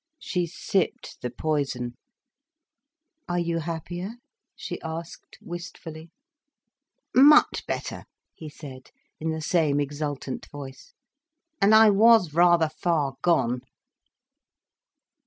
She sipped the poison. "Are you happier?" she asked, wistfully. "Much better," he said, in the same exultant voice, "and I was rather far gone."